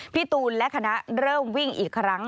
พี่ตูนและคณะเริ่มวิ่งอีกครั้ง